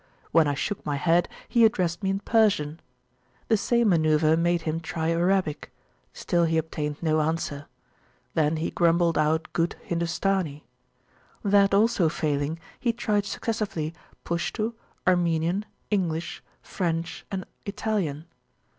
When I shook my head, he addressed me in Persian. The same manuvre made him try Arabic; still he obtained no answer. Then he grumbled out good Hindustani. That also failing, he tried successively Pushtu, Armenian, English, French, and Italian.